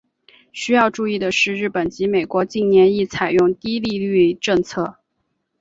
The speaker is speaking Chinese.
需要注意的是日本及美国近年亦采用低利率政策。